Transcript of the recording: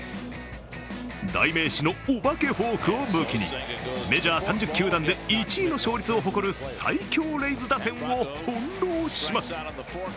代名詞のお化けフォークを武器に、メジャー３０球団で１位の勝率を誇る最強レイズ打線を翻弄します。